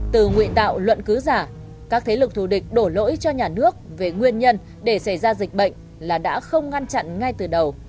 từ nguyện tạo luận cứ giả các thế lực thù địch đổ lỗi cho nhà nước về nguyên nhân để xảy ra dịch bệnh là đã không ngăn chặn ngay từ đầu